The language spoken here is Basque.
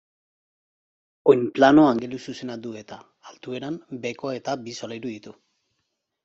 Oinplano angeluzuzena du eta, altueran, behekoa eta bi solairu ditu.